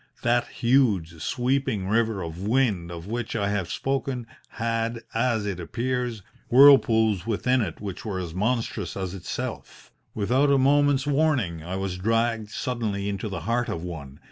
That huge, sweeping river of wind of which I have spoken had, as it appears, whirlpools within it which were as monstrous as itself. Without a moment's warning I was dragged suddenly into the heart of one.